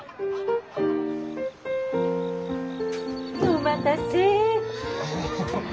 お待たせ。